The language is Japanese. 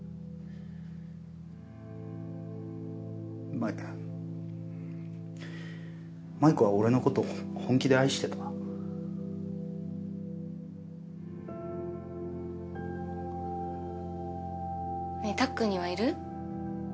麻衣麻衣子は俺のこと本気で愛してた？ねぇたっくんにはいる？